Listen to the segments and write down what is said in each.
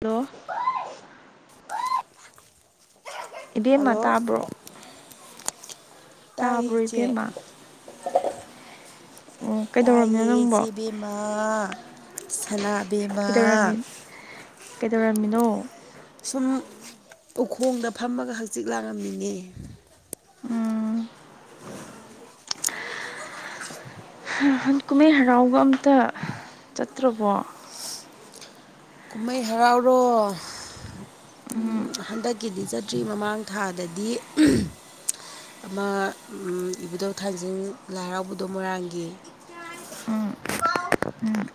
hello ꯏꯕꯦꯝꯃ ꯇꯥꯕ꯭ꯔꯣ ꯇꯥꯏ ꯇꯥꯕ꯭ꯔꯣ ꯆꯦꯠ ꯏꯕꯦꯝꯃ ꯑꯣ ꯇꯏ ꯀꯩꯗꯧꯔꯝꯃꯤꯅꯣ ꯅꯪꯕꯣ ꯁꯤꯕꯤꯃꯥ ꯁꯅꯥꯕꯤꯃꯥ ꯀꯩꯗꯧꯔꯝꯃꯤ ꯀꯩꯗꯧꯔꯝꯃꯤꯅꯣ ꯁꯨꯝ ꯎꯈꯣꯡꯗ ꯐꯝꯃꯒ ꯍꯆꯤꯠ ꯂꯥꯡꯉꯝꯃꯤꯉꯦ ꯎꯝ ꯀꯨꯝꯍꯩ ꯍꯔꯥꯎꯕ ꯑꯝꯇ ꯆꯠꯇ꯭ꯔꯕꯣ ꯀꯨꯝꯍꯩ ꯍꯔꯥꯎꯔꯣ ꯍꯟꯗꯛꯀꯤꯗꯤ ꯆꯠꯇ꯭ꯔꯤ ꯃꯃꯥꯡ ꯊꯥꯗꯗꯤ ꯑꯃ ꯏꯕꯨꯙꯧ ꯊꯥꯡꯖꯤꯡ ꯂꯥꯏ ꯍꯔꯥꯎꯕꯗꯣ ꯃꯣꯏꯔꯥꯡꯒꯤ ꯎꯝ ꯎꯝ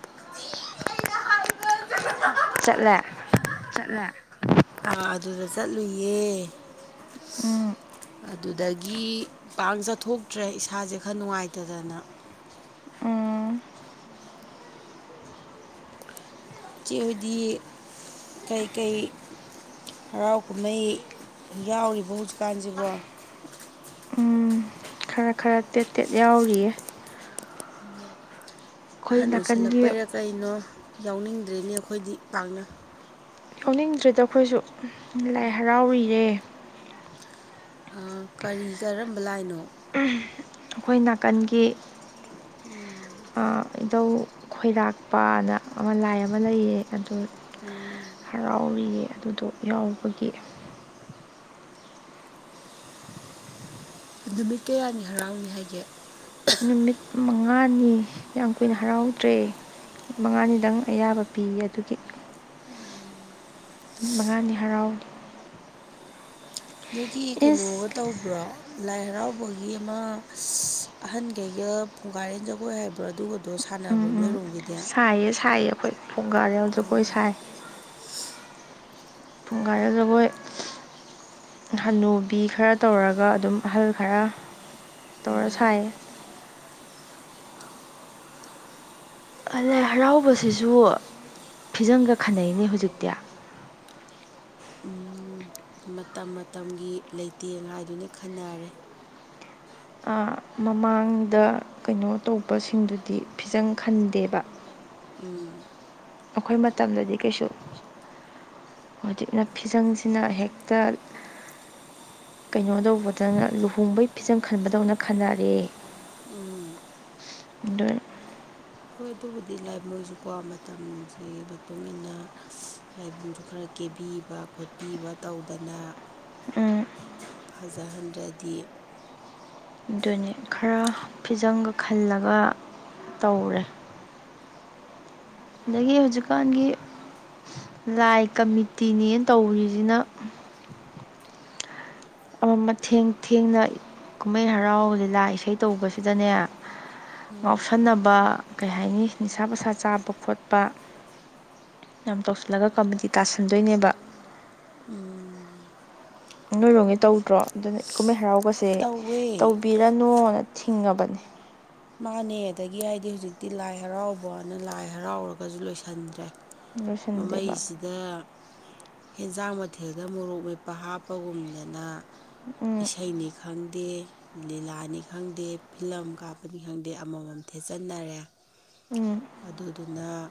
ꯆꯠꯂꯦ ꯆꯠꯂꯦ ꯑꯥ ꯑꯗꯨꯗ ꯆꯠꯂꯨꯌꯦ ꯎꯝ ꯑꯗꯨꯗꯒꯤ ꯄꯥꯡ ꯆꯠꯊꯣꯛꯇ꯭ꯔꯦ ꯏꯁꯥꯁꯦ ꯈꯔ ꯅꯨꯡꯉꯥꯏꯇꯗꯅ ꯎꯝ ꯏ ꯎꯆꯆꯦ ꯍꯧꯗꯤ ꯀꯩꯀꯩ ꯍꯔꯥꯎ ꯀꯨꯝꯍꯩ ꯌꯥꯎꯔꯤꯕ ꯍꯧꯖꯤꯛꯀꯥꯟꯁꯤꯕ ꯎꯝ ꯈꯔ ꯈꯔ ꯇꯦꯠ ꯇꯦꯠ ꯌꯥꯎꯔꯤꯌꯦ ꯑꯩꯈꯣꯏ ꯑꯍꯟ ꯅꯥꯀꯟꯒꯤ ꯑꯣꯏꯁꯜꯂꯛꯄꯩꯔꯥ ꯀꯩꯅꯣ ꯌꯥꯎꯅꯤꯡꯗ꯭ꯔꯦꯅꯦ ꯑꯩꯈꯣꯏꯗꯤ ꯄꯥꯛꯅ ꯈꯪꯅꯤꯡꯗ꯭ꯔꯦꯗ ꯑꯩꯈꯣꯏꯁꯨ ꯂꯥꯏ ꯍꯔꯥꯎꯔꯤꯔꯦ ꯀꯔꯤ ꯀꯔꯝꯕ ꯂꯥꯏꯅꯣ ꯑꯩꯈꯣꯏ ꯅꯥꯀꯟꯒꯤ ꯎꯝ ꯙꯧ ꯈꯣꯏꯔꯥꯛꯄꯅ ꯑꯃ ꯂꯥꯏ ꯑꯃ ꯂꯩꯌꯦ ꯑꯗꯨ ꯍꯔꯥꯎꯔꯤꯌꯦ ꯑꯗꯨꯗꯣ ꯌꯥꯎꯕꯒꯤ ꯅꯨꯃꯤꯠ ꯀꯌꯥꯅꯤ ꯍꯔꯥꯎꯅꯤ ꯍꯥꯏꯒꯦ ꯅꯨꯃꯤꯠ ꯃꯉꯥꯅꯤ ꯌꯥꯝ ꯀꯨꯏꯅ ꯍꯔꯥꯎꯗ꯭ꯔꯦ ꯃꯉꯥꯅꯤꯗꯪ ꯑꯌꯥꯕ ꯄꯤꯌꯦ ꯑꯗꯨꯒꯤ ꯅꯨꯠ ꯃꯉꯥꯗꯤ ꯍꯔꯥꯎꯏ ꯅꯣꯏꯒꯤ ꯏꯁ ꯀꯩꯅꯣꯒ ꯇꯧꯕ꯭ꯔꯣ ꯂꯥꯏ ꯍꯔꯥꯎꯕꯒꯤ ꯑꯃ ꯑꯍꯟꯈꯩꯒ ꯄꯨꯡꯒꯥꯔꯦꯟ ꯖꯒꯣꯏ ꯍꯥꯏꯕ꯭ꯔꯣ ꯑꯗꯨꯒꯗꯣ ꯁꯥꯟꯅꯕ ꯎꯝ ꯎꯝ ꯅꯣꯏꯔꯣꯡꯒꯤꯗ ꯁꯥꯏꯌꯦ ꯁꯥꯏꯌꯦ ꯑꯩꯈꯣꯏ ꯄꯒꯥ ꯌ ꯖꯒꯣꯏ ꯁꯥꯏ ꯄꯨꯡꯈꯥꯏꯒ ꯖꯒꯣꯏ ꯍꯟꯅꯨꯕꯤ ꯈꯔ ꯇꯧꯔꯒ ꯑꯗꯨꯝ ꯑꯍꯜ ꯈꯔ ꯇꯔꯁꯥꯏ ꯂꯥꯏ ꯍꯔꯥꯎꯕꯁꯤꯁꯨ ꯐꯤꯖꯪꯒ ꯈꯟꯅꯩꯅꯦ ꯍꯧꯖꯤꯛꯇꯤ ꯃꯇꯝ ꯃꯇꯝꯒꯤ ꯂꯩꯇꯦꯡ ꯍꯥꯏꯗꯨꯅꯤ ꯈꯟꯅꯔꯦ ꯑꯥ ꯃꯃꯥꯡꯗ ꯀꯩꯅꯣ ꯇꯧꯕꯁꯤꯡꯗꯨꯗꯤ ꯐꯤꯖꯪ ꯈꯟꯗꯦꯕ ꯎꯝ ꯑꯩꯈꯣꯏ ꯃꯇꯝꯗꯗꯤ ꯀꯩꯁꯨ ꯍꯧꯖꯤꯛꯅ ꯐꯤꯖꯪꯁꯤꯅ ꯍꯦꯛꯇ ꯀꯩꯅꯣ ꯇꯧꯕꯗꯅ ꯂꯨꯍꯣꯡꯕꯩ ꯐꯤꯖꯝ ꯈꯟꯕꯗꯧꯅ ꯈꯟꯅꯔꯦ ꯎꯝ [unintelligible] ꯍꯣꯏ ꯑꯗꯨꯕꯨꯗꯤ ꯂꯥꯏꯃꯣꯏꯁꯨꯀꯣ ꯃꯇꯝꯁꯤꯒꯤ ꯃꯇꯨꯡ ꯏꯟꯅ ꯂꯥꯏꯕꯨꯡꯁꯨ ꯈꯔ ꯀꯦꯝ ꯊꯥꯕꯤꯕ ꯈꯣꯠꯄꯤꯕ ꯇꯧꯗꯅ ꯐꯖꯍꯟꯗ꯭ꯔꯗꯤ ꯑꯗꯨꯅꯦ ꯈꯔ ꯐꯤꯖꯪꯒ ꯈꯜꯂꯒ ꯇꯧꯔꯦ ꯑꯗꯒꯤ ꯍꯧꯖꯤꯛꯀꯥꯟꯒꯤ ꯂꯥꯏ ꯀꯃꯤꯇꯤꯅꯦꯅ ꯇꯧꯔꯤꯁꯤꯅ ꯃꯊꯦꯡ ꯊꯦꯡꯅ ꯀꯨꯝꯍꯩ ꯍꯔꯥꯎ ꯂꯤꯂꯥ ꯏꯁꯩ ꯇꯧꯕꯁꯤꯗꯅꯦ ꯉꯥꯎꯁꯟꯅꯕ ꯀꯩ ꯍꯥꯏꯅꯤ ꯅꯤꯁꯥ ꯁꯥ ꯆꯥꯕ ꯈꯣꯠꯄ ꯌꯥꯝ ꯇꯧꯁꯤꯜꯂꯒ ꯀꯝꯄꯗꯤ ꯇꯥꯁꯟꯗꯣꯏꯅꯦꯕ ꯎꯝ ꯅꯣꯏꯔꯣꯒꯤ ꯇꯧꯗ꯭ꯔꯣ ꯑꯗꯨꯅ ꯀꯨꯝꯍꯩ ꯍꯔꯥꯎꯕꯁꯦ ꯇꯧꯋꯦ ꯇꯧꯕꯤꯔꯅꯣꯅ ꯊꯤꯡꯉꯕꯅꯤ ꯃꯥꯅꯦ ꯑꯗꯒꯤ ꯍꯥꯏꯗꯤ ꯍꯧꯖꯤꯛꯇꯤ ꯂꯥꯏ ꯍꯔꯥꯎꯕꯅ ꯂꯥꯏ ꯍꯔꯥꯎꯔꯒꯁꯨ ꯂꯣꯏꯁꯤꯟꯗ꯭ꯔꯦ ꯂꯣꯏꯁꯤꯟꯗꯦꯕ ꯃꯃꯩꯁꯤꯗ ꯍꯦꯟꯖꯥꯡ ꯃꯊꯦꯜꯗ ꯃꯣꯔꯣꯛ ꯃꯦꯞꯄ ꯍꯥꯞꯄꯒꯨꯝꯗꯅ ꯎꯝ ꯏꯁꯩꯅꯤ ꯈꯪꯗꯦ ꯂꯤꯂꯥꯅꯤ ꯈꯪꯗꯦ ꯐꯤꯂꯝ ꯀꯥꯞꯄꯅꯤ ꯈꯪꯗꯦ ꯑꯃꯃꯝ ꯊꯤꯠꯆꯟꯅꯔꯦ ꯎꯝ ꯑꯗꯨꯗꯨꯅ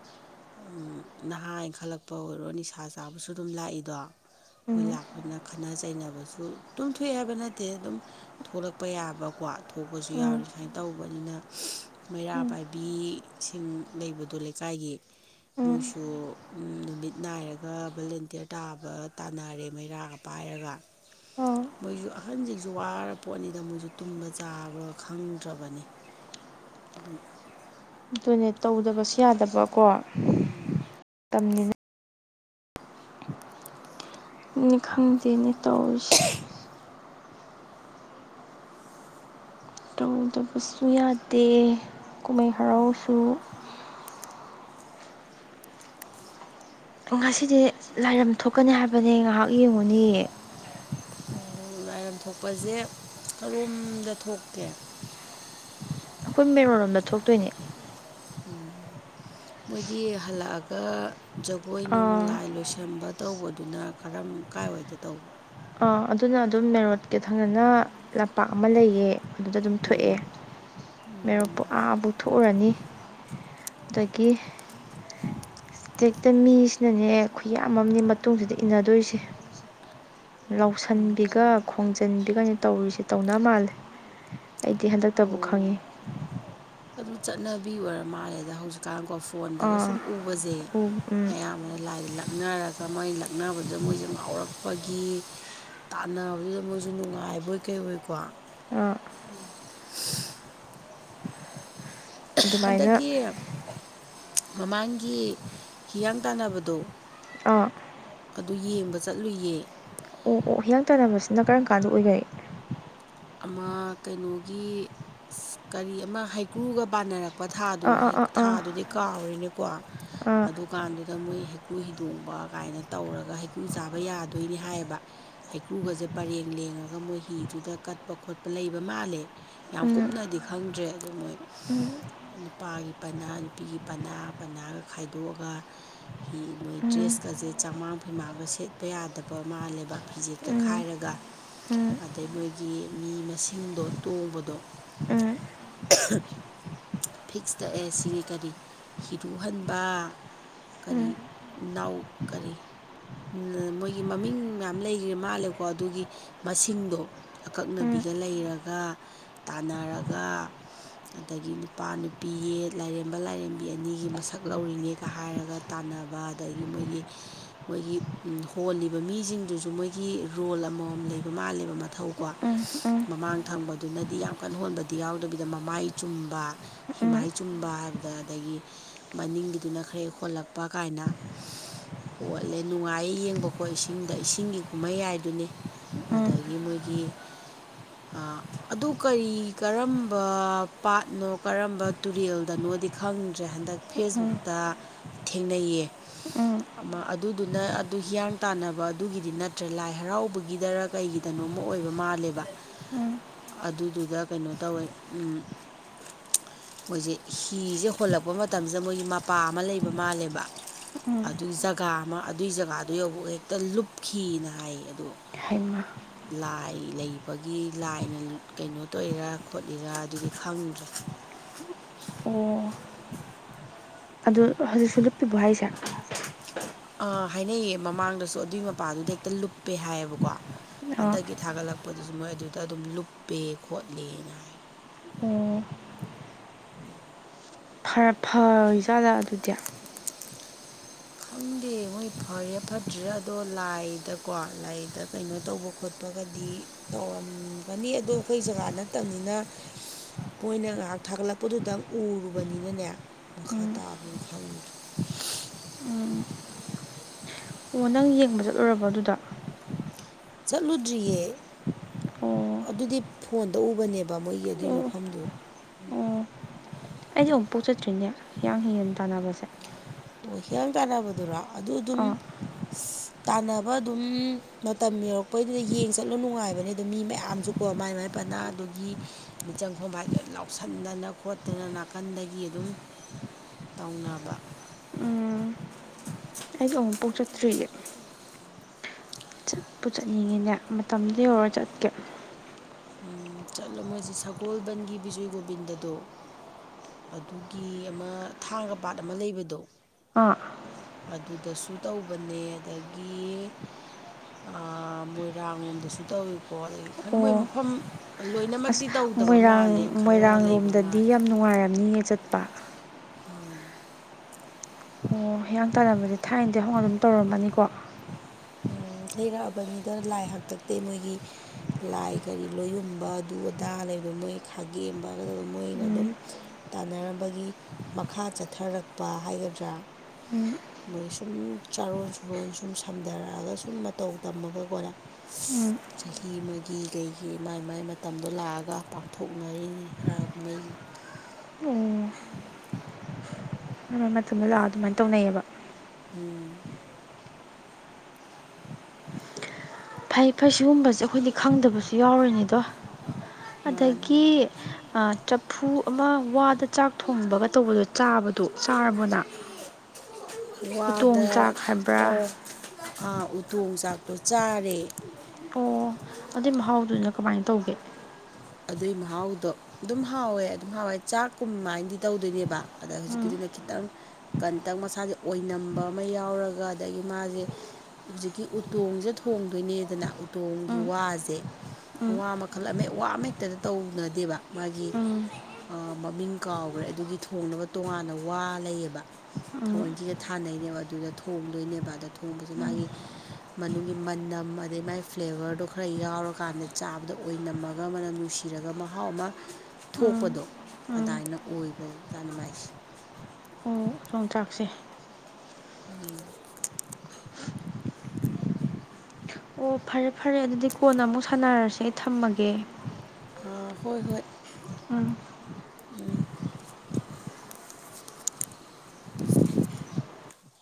ꯅꯍꯥ ꯏꯟꯈꯠꯂꯛꯄ ꯑꯣꯏꯔꯣ ꯅꯤꯁꯥ ꯆꯥꯕꯁꯨ ꯑꯗꯨꯝ ꯂꯥꯛꯏꯗꯣ ꯃꯣꯏ ꯎꯝ ꯂꯥꯛꯄ ꯑꯣꯏꯅ ꯈꯠꯅ ꯆꯩꯅꯕꯁꯨ ꯇꯨꯝ ꯊꯣꯛꯣꯛꯑꯦ ꯍꯥꯏꯕ ꯅꯠꯇꯦ ꯑꯗꯨꯝ ꯊꯣꯛꯂꯛꯄ ꯌꯥꯕꯀꯣ ꯊꯣꯛꯄꯁꯨ ꯎꯝ ꯌꯥꯎꯔꯤ ꯁꯨꯥꯏꯅ ꯇꯧꯕ ꯇꯧꯕꯅꯤꯅ ꯃꯩꯔꯥ ꯎꯝ ꯄꯥꯏꯕꯤꯁꯤꯡ ꯂꯩꯕꯗꯣ ꯂꯩꯀꯥꯏꯒꯤ ꯎꯝ ꯃꯣꯏꯁꯨ ꯅꯨꯃꯤꯠ ꯅꯥꯏꯔꯒ ꯚꯣꯂꯦꯟꯇꯤꯌꯥꯔ ꯇꯥꯕ ꯇꯥꯅꯔꯦ ꯃꯩꯔꯥꯒ ꯄꯥꯏ ꯍꯥꯏꯔꯥꯛ ꯑꯣ ꯃꯣꯏꯁꯨ ꯑꯍꯟꯁꯤꯡꯁꯨ ꯋꯥꯔ ꯄꯣꯠꯅꯤꯗ ꯃꯣꯏꯁꯨ ꯇꯨꯝꯕ ꯆꯥꯕ꯭ꯔ ꯈꯪꯗ꯭ꯔꯕꯅꯤ ꯑꯗꯨꯝ ꯑꯗꯨꯅꯦ ꯇꯧꯗꯕꯁꯨ ꯑꯗꯨꯇꯗꯁꯗ ꯇꯝꯅꯤꯅ ꯅꯦ ꯈꯪꯗꯦꯅꯦ ꯇꯧꯔꯤꯁꯦ ꯇꯧꯗꯕꯁꯨ ꯌꯥꯗꯦ ꯁꯗ ꯀꯨꯝꯍꯩ ꯍꯔꯥꯎꯁꯨ ꯃ ꯉꯁꯤꯗꯤ ꯂꯥꯏꯔꯝ ꯊꯣꯛꯀꯅꯤ ꯍꯥꯏꯕꯅꯦ ꯉꯥꯏꯍꯥꯛ ꯌꯦꯡꯉꯨꯅꯤꯌꯦ ꯎ ꯂꯥꯏꯔꯝ ꯊꯣꯛꯄꯁꯦ ꯀꯔꯣꯝꯗ ꯊꯣꯛꯀꯦ ꯑꯩꯈꯣꯏ ꯃꯦꯔꯣꯂꯣꯝꯗ ꯊꯣꯛꯇꯣꯏꯅꯦ ꯎꯝ ꯃꯣꯏꯒꯤ ꯍꯜꯂꯛꯑꯒ ꯖꯒꯣꯏ ꯅꯨꯡ ꯑꯥ ꯂꯥꯏ ꯂꯣꯏꯁꯟꯕ ꯇꯧꯕꯗꯨꯅ ꯀꯔꯝ ꯀꯥꯏꯋꯥꯏꯗꯦ ꯇꯧꯕ ꯑꯣ ꯑꯗꯨꯅ ꯑꯗꯨꯝ ꯃꯦꯔꯣꯠꯀ ꯊꯪꯅꯅ ꯂꯝꯄꯥꯛ ꯑꯃ ꯂꯩꯌꯦ ꯑꯗꯨꯗ ꯑꯗꯨꯝ ꯊꯣꯛꯑꯦ ꯎꯝ ꯃꯦꯔꯣꯛꯄꯨ ꯑꯥꯕꯨꯛ ꯊꯣꯛꯎꯔꯅꯤ ꯑꯗꯨꯗꯒꯤ ꯏꯁꯇꯦꯛꯇ ꯃꯤꯁꯤꯅꯅꯦ ꯈꯨꯌꯥꯝꯅꯦ ꯃꯇꯨꯡꯁꯤꯗ ꯏꯟꯅꯗꯣꯏꯁꯦ ꯎꯝ ꯂꯧꯁꯤꯟꯕꯤꯒ ꯈꯣꯡꯖꯤꯟꯕꯤꯒꯅꯤ ꯇꯧꯔꯤꯁꯦ ꯇꯧꯅꯕ ꯃꯥꯜꯂꯦ ꯑꯩꯗꯤ ꯍꯟꯗꯛꯇꯕꯨ ꯑꯧ ꯈꯪꯉꯤ ꯑꯗꯨ ꯆꯠꯅꯕꯤ ꯑꯣꯏꯔ ꯃꯥꯜꯂꯦꯗ ꯍꯧꯖꯤꯛꯀꯥꯟꯀꯣ ꯐꯣꯟꯗꯒ ꯁꯨꯝ ꯑꯥ ꯎꯕꯁꯦ ꯎ ꯎꯝ ꯃꯌꯥꯝ ꯃꯌꯥꯝ ꯂꯥꯏꯗ ꯂꯛꯅꯔꯒ ꯃꯣꯏ ꯂꯛꯅꯕꯗ ꯃꯣꯏꯁꯦ ꯉꯥꯎꯔꯛꯄꯒꯤ ꯇꯥꯟꯅꯕꯗꯨꯗ ꯃꯣꯏꯁꯨ ꯅꯨꯡꯉꯥꯏꯕꯣꯏ ꯀꯩ ꯑꯣꯏꯀꯣ ꯎ ꯑꯥ ꯑꯗꯨꯃꯥꯏꯅ ꯍꯟꯗꯛꯀꯤ ꯃꯃꯥꯡꯒꯤ ꯍꯤꯌꯥꯡ ꯇꯥꯟꯅꯕꯗꯣ ꯑꯥ ꯑꯗꯨ ꯌꯦꯡꯕ ꯆꯠꯂꯨꯏꯌꯦ ꯀꯥꯗꯏꯈꯩ ꯑꯃ ꯀꯩꯅꯣꯒꯤ ꯀꯔꯤ ꯑꯃ ꯍꯩꯀ꯭ꯔꯨꯒ ꯕꯥꯅꯔꯛꯄ ꯄ ꯊꯥꯗꯣ ꯑꯥ ꯑꯥ ꯑꯥ ꯊꯥꯗꯨꯗꯤ ꯀꯥꯎꯔꯤꯅꯤꯀꯣ ꯑꯥ ꯑꯥ ꯑꯗꯨꯀꯥꯟꯗꯨꯗ ꯃꯣꯏ ꯍꯩꯀ꯭ꯔꯨ ꯍꯤꯗꯣꯡꯕ ꯀꯥꯏꯅ ꯇꯧꯔꯒ ꯍꯩꯀ꯭ꯔꯨ ꯆꯥꯕ ꯌꯥꯗꯣꯏꯅꯤ ꯍꯥꯏꯌꯦꯕ ꯍꯩꯀ꯭ꯔꯨꯒꯁꯦ ꯄꯔꯦꯡ ꯂꯦꯡꯉꯒ ꯃꯣꯏ ꯍꯤꯗꯨꯗ ꯀꯠꯄ ꯈꯣꯠꯄ ꯂꯩꯕ ꯃꯥꯜꯂꯦ ꯌꯥꯝ ꯎꯝ ꯀꯨꯞꯅꯗꯤ ꯈꯪꯗ꯭ꯔꯦ ꯑꯗꯨ ꯃꯣꯏ ꯅꯨꯄꯥꯒꯤ ꯄꯅꯥ ꯅꯨꯄꯤꯒꯤ ꯄꯅꯥ ꯄꯅꯥꯒ ꯈꯥꯏꯗꯣꯛꯑꯒ ꯍꯤ ꯃꯣꯏ ꯎꯝ ꯗ꯭ꯔꯦꯁꯀꯁꯦ ꯆꯥꯃꯥꯡ ꯐꯩꯃꯥꯡꯒ ꯁꯦꯠꯄ ꯌꯥꯗꯕ ꯃꯥꯜꯂꯦꯕ ꯐꯤꯖꯦꯛꯇ ꯎꯝ ꯈꯥꯏꯔꯒ [unintelligible] ꯑꯗꯩ ꯃꯣꯏꯒꯤ ꯃꯤ ꯃꯁꯤꯡꯗꯣ ꯇꯣꯡꯕꯗꯣ ꯎꯝ [unintelligible] ꯐꯤꯛꯁ ꯇꯛꯑꯦ ꯁꯤꯅꯤ ꯀꯔꯤ ꯍꯤꯔꯨꯍꯟꯕ ꯎꯝ ꯀꯔꯤ ꯅꯥꯎ ꯀꯔꯤ ꯃꯣꯏꯒꯤ ꯃꯃꯤꯡ ꯃꯌꯥꯝ ꯂꯩꯈ꯭ꯔꯦ ꯃꯥꯜꯂꯦꯀꯣ ꯑꯗꯨꯒꯤ ꯃꯁꯤꯡꯗꯣ ꯎꯝ ꯑꯀꯛꯅꯕꯤꯒ ꯂꯩꯔꯒ ꯇꯥꯟꯅꯔꯒ ꯑꯗꯒꯤ ꯅꯨꯄꯥ ꯅꯨꯄꯤ ꯄꯤꯌꯦ ꯂꯥꯏꯔꯦꯝꯕ ꯂꯥꯏꯔꯦꯝꯕꯤ ꯑꯅꯤꯒꯤ ꯃꯁꯛ ꯂꯧꯔꯤꯅꯦꯒ ꯍꯥꯏꯔꯒ ꯇꯥꯟꯅꯕ ꯑꯗꯒꯤ ꯃꯣꯏꯒꯤ ꯃꯣꯏꯒꯤ ꯍꯣꯜꯂꯤꯕ ꯃꯤꯁꯤꯡꯗꯨꯁꯨ ꯃꯣꯏꯒꯤ ꯔꯣꯜ ꯑꯃꯃꯝ ꯂꯩꯕ ꯃꯥꯜꯂꯦꯕ ꯃꯊꯧꯀꯣ ꯎꯝ ꯃꯃꯥꯡ ꯊꯪꯕꯗꯨꯅꯗꯤ ꯌꯥꯝ ꯀꯟ ꯍꯣꯟꯕꯗꯤ ꯌꯥꯎꯗꯕꯤꯗ ꯃꯃꯥꯏ ꯆꯨꯝꯕ ꯍꯤꯃꯥꯏ ꯆꯨꯝꯕ ꯍꯥꯏꯕꯗ ꯑꯗꯒꯤ ꯃꯅꯤꯡꯒꯤꯗꯨꯅ ꯈꯔ ꯍꯦꯛ ꯍꯣꯜꯂꯛꯄ ꯀꯥꯏꯅ ꯍꯣꯜꯂꯦ ꯅꯨꯡꯉꯥꯏꯌꯦ ꯌꯦꯡꯕꯀꯣ ꯏꯁꯤꯡꯗ ꯏꯁꯤꯡꯒꯤ ꯀꯨꯝꯍꯩ ꯍꯥꯏꯗꯨꯅꯤ ꯎꯝ ꯎꯝ ꯑꯗꯒꯤ ꯃꯣꯏꯒꯤ ꯑꯗꯨ ꯀꯔꯤ ꯀꯔꯝꯕ ꯄꯥꯠꯅꯣ ꯀꯔꯝꯕ ꯇꯨꯔꯦꯜꯗꯅꯣ ꯗꯤ ꯈꯪꯗ꯭ꯔꯦ ꯍꯟꯗꯛ ꯐꯦꯁꯕꯨꯛꯇ ꯊꯦꯡꯅꯩꯌꯦ ꯎꯝ ꯑꯃ ꯑꯗꯨꯗꯨꯅ ꯑꯗꯨ ꯍꯤꯌꯥꯡ ꯇꯥꯟꯅꯕ ꯑꯗꯨꯒꯤꯗꯤ ꯅꯠꯇ꯭ꯔꯦ ꯂꯥꯏ ꯍꯔꯥꯎꯕꯒꯤꯗꯔ ꯀꯩꯒꯤꯗꯅꯣ ꯑꯣꯏꯕ ꯃꯥꯜꯂꯦꯕ ꯑꯗꯨꯗꯨꯗ ꯀꯩꯅꯣ ꯇꯧꯋꯦ ꯃꯣꯏꯁꯦ ꯍꯤꯁꯦ ꯍꯣꯜꯂꯛꯄ ꯃꯇꯝꯁꯤꯗ ꯃꯣꯏꯒꯤ ꯃꯄꯥ ꯑꯃ ꯂꯩꯕ ꯃꯥꯜꯂꯦꯕ ꯎꯝ ꯑꯗꯨꯒꯤ ꯖꯒꯥ ꯑꯃ ꯑꯗꯨꯏ ꯖꯒꯥꯗꯨ ꯌꯕ ꯍꯦꯛꯇ ꯂꯨꯞꯈꯤꯑꯅ ꯍꯥꯏ ꯑꯗꯣ ꯍꯥꯏꯃ ꯂꯥꯏ ꯂꯩꯕꯒꯤ ꯂꯥꯏꯅ ꯀꯩꯅꯣ ꯇꯧꯔꯤꯔ ꯈꯣꯠꯂꯤꯔꯥ ꯑꯗꯨꯗꯤ ꯈꯪꯗ꯭ꯔꯦ ꯑꯣ ꯑꯗꯨ ꯍꯧꯖꯤꯛꯁꯨ ꯂꯤꯠꯄꯤꯕ ꯍꯥꯏꯁꯦ ꯍꯥꯏꯅꯩꯌꯦ ꯃꯃꯥꯡꯗꯁꯨ ꯑꯗꯨꯒꯤ ꯃꯄꯥꯗꯨꯗ ꯍꯦꯛꯇ ꯂꯨꯞꯄꯦ ꯍꯥꯏꯌꯦꯕꯀꯣ ꯑꯣ ꯍꯟꯗꯛꯀꯤ ꯊꯥꯒꯠꯂꯛꯄ ꯂꯄꯗꯨꯁꯨ ꯃꯣꯏ ꯑꯗꯨꯗ ꯑꯗꯨꯝ ꯂꯨꯞꯄꯦ ꯈꯣꯠꯂꯦꯅ ꯍꯥꯏ [unintelligible] ꯐꯔꯣꯏ ꯖꯥꯠꯂ ꯑꯗꯨꯗꯤ ꯈꯪꯗꯦ ꯃꯣꯏ ꯐꯔꯦ ꯐꯠꯇ꯭ꯔꯤꯔꯥ ꯑꯗꯣ ꯂꯥꯏꯗꯀꯣ ꯂꯥꯏꯗ ꯀꯩꯅꯣ ꯇꯧꯕ ꯈꯣꯠꯄ ꯒꯗꯤ ꯇꯧꯔꯝꯒꯅꯤ ꯑꯗꯣ ꯑꯩꯈꯣꯏ ꯖꯒꯥ ꯅꯠꯇꯕꯅꯤꯅ ꯃꯣꯏꯅ ꯉꯥꯏꯍꯥꯛ ꯊꯥꯒꯠꯂꯛꯄꯗꯨꯗꯪ ꯎꯔꯨꯕꯅꯤꯅꯅꯦ ꯃꯈꯥ ꯇꯥꯕꯅꯤ ꯈꯪꯉꯗ꯭ꯔꯦ ꯎꯝ ꯑꯣ ꯅꯪ ꯌꯦꯡꯕ ꯆꯠꯂꯨꯔꯕꯣ ꯑꯗꯨꯗ ꯆꯠꯂꯨꯗꯔꯤꯌꯦ ꯑꯣ ꯑꯗꯨꯗꯤ ꯐꯣꯟ ꯇ ꯎꯕꯅꯦꯕ ꯃꯣꯏꯒꯤ ꯑꯗꯨꯒꯤ ꯑꯣ ꯃꯐꯝꯗꯨ ꯑꯣ ꯑꯩꯗꯤ ꯑꯃꯨꯛ ꯄꯣꯛꯆꯠꯇ꯭ꯔꯤꯅꯦ ꯍꯤꯌꯥꯡ ꯍꯤꯒꯟ ꯇꯥꯟꯅꯕꯁꯦ ꯑꯣ ꯍꯤꯌꯥ ꯇꯥꯟꯅꯕꯗꯨꯔꯣ ꯑꯗꯨ ꯑꯗꯨꯝ ꯑꯥ ꯇꯥꯟꯅꯕ ꯑꯗꯨꯝ ꯃꯇꯝ ꯌꯧꯔꯛꯄꯩꯗꯨꯗ ꯌꯦꯡ ꯆꯠꯂꯨ ꯅꯨꯡꯉꯥꯏꯕꯅꯦ ꯑꯗꯨꯣ ꯃꯤ ꯃꯌꯥꯝꯁꯨꯀꯣ ꯃꯥꯏ ꯃꯥꯏ ꯄꯥꯏ ꯃꯅꯥꯗꯨꯒꯤ ꯃꯤꯆꯪ ꯈꯣꯝ ꯍꯥꯏꯗꯨꯣ ꯂꯥꯎꯁꯟꯗꯅ ꯈꯣꯠꯇꯅ ꯅꯥꯀꯟꯗꯒꯤ ꯑꯗꯨꯝ ꯇꯧꯅꯕ ꯎꯝ ꯑꯩꯗꯤ ꯑꯃꯨꯛ ꯄꯣꯛꯆꯠꯇ꯭ꯔꯤꯌꯦ ꯄꯨ ꯆꯠꯅꯤꯡꯉꯤꯅꯦ ꯃꯇꯝꯗ ꯌꯧꯔ ꯆꯠꯀꯦ ꯎ ꯆꯠꯂꯣ ꯃꯣꯏꯁꯤ ꯁꯒꯣꯜꯕꯟꯒꯤ ꯕꯤꯖꯣꯏ ꯒꯣꯕꯤꯟꯗꯗꯣ ꯑꯗꯨꯒꯤ ꯑꯃ ꯊꯥꯡꯒ ꯄꯥꯠ ꯑꯃ ꯂꯩꯕꯗꯣ ꯑꯥ ꯑꯗꯨꯗꯁꯨ ꯇꯧꯕꯅꯦ ꯑꯗꯒꯤ ꯃꯣꯏꯔꯥꯡ ꯂꯣꯝꯗꯁꯨ ꯇꯧꯋꯤꯀꯣ ꯑꯗꯒꯤ ꯈꯪꯉ ꯃꯣꯏ ꯑꯣ ꯃꯐꯝ ꯂꯣꯏꯅꯃꯛ ꯑꯁ ꯃꯣꯏꯔꯥꯡ ꯃꯣꯏꯔꯥꯡ ꯂꯣꯝꯗꯗꯤ ꯃꯥꯜꯂꯦ ꯌꯥꯝ ꯅꯨꯡꯉꯥꯏꯔꯝꯅꯤ ꯆꯠꯄ ꯎꯝ ꯑꯣ ꯍꯤꯌꯥꯡ ꯇꯥꯟꯅꯕꯗꯤ ꯊꯥꯏꯅꯗꯤꯍꯅ ꯑꯗꯨꯝ ꯇꯧꯔꯝꯃꯅꯤꯀꯣ ꯎꯝ ꯊꯩꯔꯛꯑꯕꯅꯤꯗ ꯂꯥꯏ ꯍꯥꯛꯇꯛꯇꯦ ꯃꯣꯏꯒꯤ ꯂꯥꯏ ꯀꯔꯤ ꯂꯣꯏꯌꯨꯝꯕ ꯑꯗꯨ ꯎꯨꯗꯥ ꯂꯩꯕꯗꯣ ꯃꯣꯏ ꯈꯥꯒꯦꯝꯕꯒꯗ ꯃꯣꯏꯅ ꯑꯗꯨꯝ ꯇꯥꯟꯅꯔꯝꯕꯒꯤ ꯃꯈꯥꯠ ꯆꯠꯊꯔꯛꯄ ꯍꯥꯏꯒꯗ꯭ꯔꯥ ꯃꯣꯏ ꯁꯨꯝ ꯆꯥꯔꯣꯟ ꯁꯨꯔꯣꯟ ꯁꯨꯝ ꯁꯝ ꯍꯟꯊꯔꯛꯑꯒ ꯁꯨꯝ ꯃꯇꯧ ꯇꯝꯃꯒꯀꯣꯅ ꯆꯍꯤ ꯑꯃꯒꯤ ꯀꯩꯒꯤ ꯃꯥꯏ ꯃꯥꯏ ꯃꯇꯝꯗꯣ ꯂꯥꯛꯑꯒ ꯄꯥꯡꯊꯣꯛꯅꯔꯤꯅꯤ ꯍꯔꯥꯎ ꯀꯨꯝꯍꯩ ꯎ [unintelligible] [inaudible] ꯑꯗꯨ ꯃꯇꯨꯡꯗ ꯂꯥꯛꯑ ꯑꯗꯨꯃꯥꯏꯅ ꯇꯧꯅꯩꯑꯕ ꯎꯝ [unintelligible] [inaudible] ꯐꯩ ꯐꯩ ꯁꯤꯒꯨꯝꯕꯁꯦ ꯑꯩꯈꯣꯏꯗꯤ ꯈꯪꯗꯕꯁꯨ ꯌꯥꯎꯔꯣꯏꯅꯤꯗꯣ ꯃꯥꯅꯤ ꯑꯗꯒꯤ ꯃꯥꯅꯤ ꯆꯐꯨ ꯑꯃ ꯋꯥꯗ ꯆꯥꯛ ꯊꯣꯡꯕꯒ ꯇꯧꯕꯗꯣ ꯆꯥꯕꯗꯣ ꯆꯥꯔꯕꯅ ꯋꯥꯗ ꯍꯥꯏꯕ꯭ꯔꯥ ꯑꯣ ꯑꯥ ꯊꯣꯡꯆꯥꯛꯇꯣ ꯆꯥꯔꯦ ꯑꯣ ꯑꯗꯨꯏ ꯃꯍꯥꯎꯗꯨꯅ ꯀꯃꯥꯏꯅ ꯇꯧꯒꯦ ꯑꯗꯨꯏ ꯃꯍꯥꯎꯗꯣ ꯑꯗꯨꯝ ꯍꯥꯎꯋꯦ ꯑꯗꯨꯝ ꯍꯥꯎꯋꯦ ꯆꯥꯛ ꯀꯨꯝ ꯍꯥꯏꯅꯗꯤ ꯇꯧꯗꯣꯏꯅꯦꯕ ꯑꯗ ꯎꯝ ꯍꯧꯖꯤꯛꯀꯤꯗꯨ ꯅ ꯈꯤꯇꯪ ꯀꯟꯇꯛ ꯃꯁꯥꯁꯦ ꯑꯣꯏꯅꯝꯕ ꯑꯃ ꯌꯥꯎꯔꯒ ꯑꯗꯒꯤ ꯃꯥꯁꯦ ꯍꯧꯖꯤꯛꯀꯤ ꯎꯇꯣꯡꯁꯦ ꯊꯣꯡꯗꯣꯏꯅꯦꯗꯅ ꯎꯇꯣꯡꯒꯤ ꯎꯝ ꯋꯥꯁꯦ ꯎꯝ ꯋꯥ ꯃꯈꯜ ꯑꯃ ꯋꯥ ꯑꯃꯦꯛꯇꯗ ꯇꯧꯅꯗꯦꯕ ꯃꯥꯒꯤ ꯎꯝ ꯃꯃꯤꯡ ꯀꯥꯎꯈ꯭ꯔꯦ ꯑꯗꯨꯒꯤ ꯊꯣꯡꯅꯕ ꯇꯣꯉꯥꯟꯅ ꯋꯥ ꯂꯩꯌꯦꯕ ꯎꯝ ꯊꯑꯣꯏꯟꯁꯤꯒ ꯊꯥꯅꯩꯅꯦꯕ ꯑꯗꯨꯗ ꯊꯣꯡꯗꯣꯏꯅꯦꯕ ꯑꯗ ꯊꯣꯡꯕꯁꯦ ꯃꯥꯒꯤ ꯃꯅꯨꯡꯒꯤ ꯃꯅꯝ ꯑꯗꯩ ꯃꯥꯏ ꯐ꯭ꯂꯦꯕꯔꯗꯣ ꯈꯔ ꯌꯥꯎꯔꯀꯥꯟꯗ ꯆꯥꯕꯗ ꯑꯣꯏꯅꯝꯃꯒ ꯃꯅꯝ ꯁꯤꯔꯒ ꯃꯍꯥꯎ ꯑꯃ ꯎꯝ ꯊꯣꯛꯄꯗꯣ ꯎꯝ ꯑꯗꯨꯃꯥꯏꯅ ꯑꯣꯏꯕ ꯖꯥꯅꯤꯡꯉꯥꯏꯁꯦ ꯑꯣ ꯌꯣꯡꯆꯥꯛꯁꯦ ꯎꯝ ꯑꯣ ꯐꯔꯦ ꯐꯔꯦ ꯑꯗꯨꯗꯤ ꯀꯣꯟꯅ ꯑꯃꯨꯛ ꯁꯥꯟꯅꯔꯁꯦ ꯑꯩ ꯊꯝꯃꯒꯦ ꯑꯥ ꯍꯣꯏ ꯍꯣꯏ ꯎꯝ ꯎꯝ